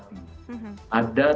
dan juga melalui whatsapp